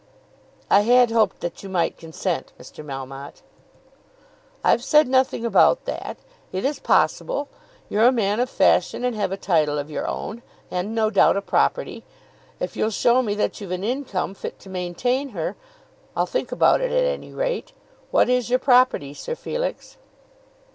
"I had hoped that you might consent, Mr. Melmotte." "I've said nothing about that. It is possible. You're a man of fashion and have a title of your own, and no doubt a property. If you'll show me that you've an income fit to maintain her, I'll think about it at any rate. What is your property, Sir Felix?"